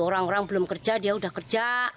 orang orang belum kerja dia sudah kerja